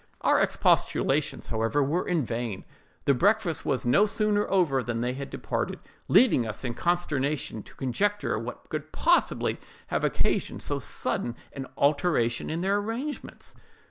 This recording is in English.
Our expostulations, however, were vain; the breakfast was no sooner over than they departed, leaving us in consternation to conjecture what could possibly have occasioned so sudden an alteration in their arrangements.